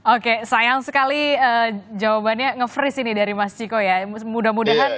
oke sayang sekali jawabannya nge freeze ini dari mas ciko ya mudah mudahan